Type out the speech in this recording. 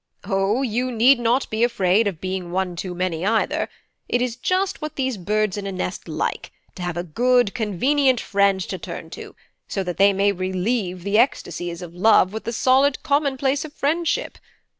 O, you need not be afraid of being one too many, either: it is just what these birds in a nest like, to have a good convenient friend to turn to, so that they may relieve the ecstasies of love with the solid commonplace of friendship.